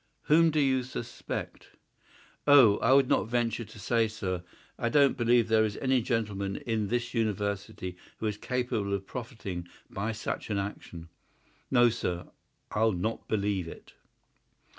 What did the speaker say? "Whom do you suspect?" "Oh, I would not venture to say, sir. I don't believe there is any gentleman in this University who is capable of profiting by such an action. No, sir, I'll not believe it."